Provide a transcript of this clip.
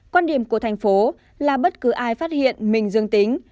quan điểm của tp hcm là bất cứ ai phát hiện mình dương tính